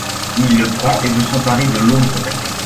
Il le prend, et veut s’emparer de l’autre paquet.